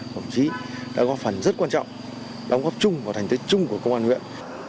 thậm chí đã góp phần rất quan trọng đóng góp chung vào thành tích chung của công an huyện